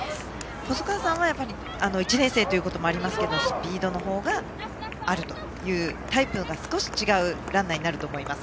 細川さんは１年生ということもありますがスピードの方があるというタイプが少し違うランナーになると思います。